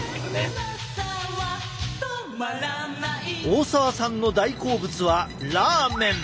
大沢さんの大好物はラーメン！